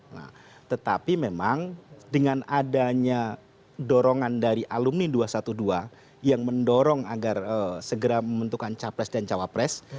nah tetapi memang dengan adanya dorongan dari alumni dua ratus dua belas yang mendorong agar segera membentukkan capres dan cawapres